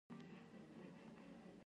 ایا زما رانونه به ښه شي؟